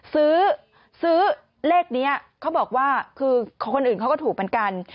ซื้อซื้อเลขนี้เขาบอกว่าคือคนอื่นเขาก็ถูกเหมือนกัน